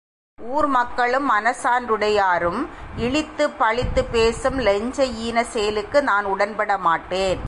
ஊர் மக்களும், மனச் சான்றுடையாரும் இழித்துப் பழித்துப் பேசும் லஞ்ச ஈனச் செயலுக்கு நான் உடன்பட மாட்டேன்!